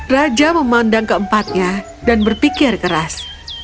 raja memandang keempatnya dan berpikir keras